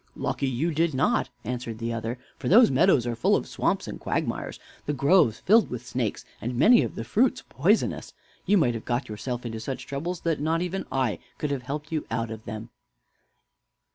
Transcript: "Lucky you did not," answered the other; "for those meadows are full of swamps and quagmires, the groves filled with snakes, and many of the fruits poisonous. You might have got yourself into such troubles that not even I could have helped you out of them."